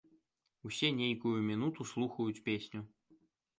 Усе нейкую мінуту слухаюць песню.